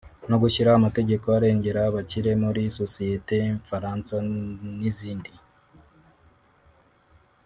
no gushyiraho amategeko arengera abakire muri sosiyete nfaransa n’izindi